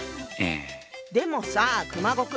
でもさ熊悟空。